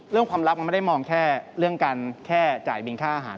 ความลับมันไม่ได้มองแค่เรื่องการแค่จ่ายบินค่าอาหาร